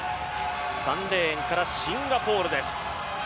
３レーンからシンガポールです。